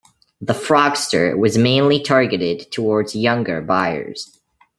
The Frogster was mainly targeted towards younger buyers.